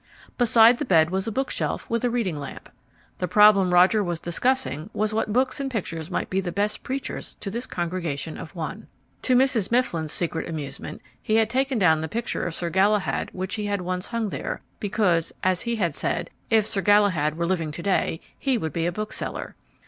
Beside the bed was a bookshelf with a reading lamp. The problem Roger was discussing was what books and pictures might be the best preachers to this congregation of one. To Mrs. Mifflin's secret amusement he had taken down the picture of Sir Galahad which he had once hung there, because (as he had said) if Sir Galahad were living to day he would be a bookseller.